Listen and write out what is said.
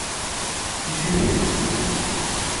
I tiwin?